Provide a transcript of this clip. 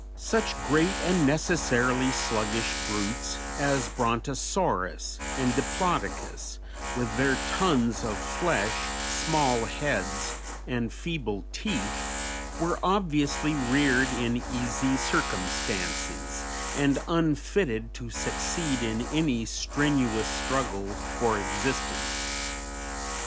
Such great and necessarily sluggish brutes as Brontosaurus and Diplodocus, with their tons of flesh, small heads, and feeble teeth, were obviously reared in easy circumstances, and unfitted to succeed in any strenuous struggle for existence.